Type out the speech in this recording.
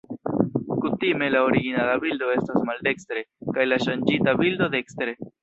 Kutime, la originala bildo estas maldekstre, kaj la ŝanĝita bildo dekstre.